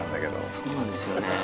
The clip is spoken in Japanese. そうなんですよね。